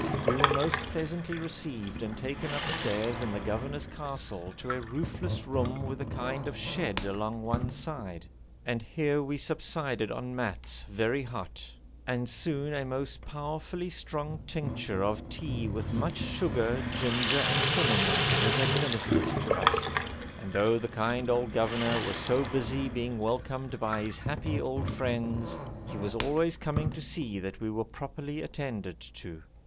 We were most pleasantly received and taken upstairs in the governor's castle to a roofless room with a kind of shed along one side, and here we subsided on mats, very hot, and soon a most powerfully strong tincture of tea with much sugar, ginger, and cinnamon was administered to us; and though the kind old governor was so busy being welcomed by his happy old friends, he was always coming to see that we were properly attended to.